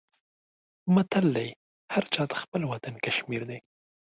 متل دی: هر چاته خپل وطن کشمیر دی.